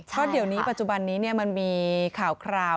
เพราะเดี๋ยวนี้ปัจจุบันนี้มันมีข่าวคราว